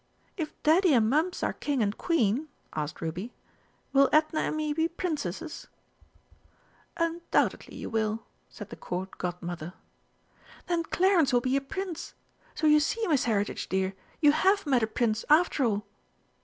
"If Daddy and Mums are King and Queen," asked Ruby, "will Edna and me be Princesses?" "Undoubtedly you will," said the Court Godmother. "Then Clarence will be a Prince. So you see, Miss Heritage, dear, you have met a Prince after all!"